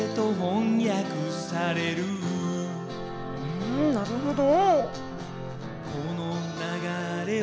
うんなるほど。